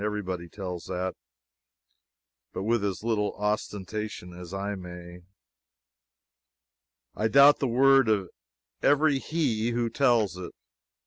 Every body tells that, but with as little ostentation as I may, I doubt the word of every he who tells it.